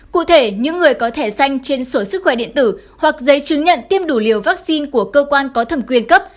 cụ thể những người có thẻ xanh trên sổ sức khỏe điện tử hoặc giấy chứng nhận tiêm đủ liều vaccine của cơ quan có thẩm quyền cấp